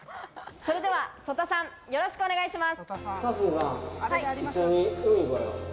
それでは曽田さん、よろしくお願いします。